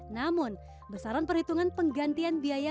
namun besaran perhitungan penggantian biaya